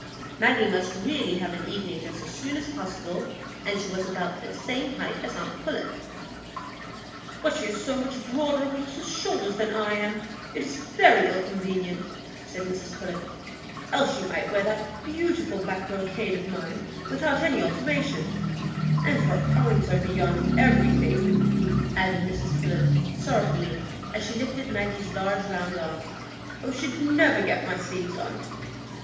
Maggie must really have an evening dress as soon as possible, and she was about the same height as aunt Pullet. "But she's so much broader across the shoulders than I am, it's very ill convenient," said Mrs Pullet, "else she might wear that beautiful black brocade o' mine without any alteration; and her arms are beyond everything," added Mrs Pullet, sorrowfully, as she lifted Maggie's large round arm, "She'd never get my sleeves on."